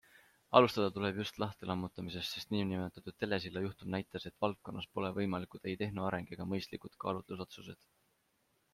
Alustada tuleb just lahtilammutamisest, sest nn telesilla juhtum näitas, et valdkonnas pole võimalikud ei tehnoareng ega mõistlikud kaalutlusotsused.